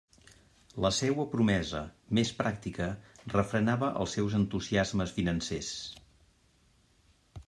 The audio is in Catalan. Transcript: La seua promesa, més pràctica, refrenava els seus entusiasmes financers.